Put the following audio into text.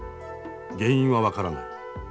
原因は分からない。